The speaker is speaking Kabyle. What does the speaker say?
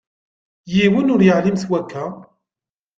Yiwen ur yeεlim s wakka.